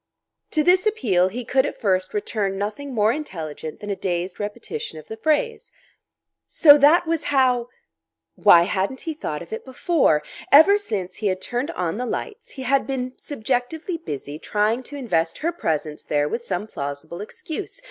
To this appeal he could at first return nothing more intelligent than a dazed repetition of the phrase. So that was how...Why hadn't he thought of it before? Ever since he had turned on the lights, he had been subjectively busy trying to invest her presence there with some plausible excuse.